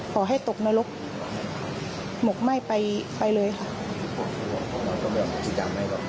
ขอให้ตกนรกหมกไหม้ไปไปเลยค่ะ